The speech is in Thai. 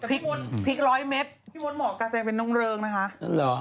พี่มนต์หมอกาแซมเป็นน้องเริงนะคะ